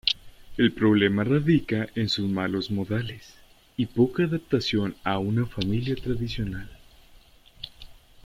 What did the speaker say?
El problema radica en sus malos modales y poca adaptación a una familia tradicional.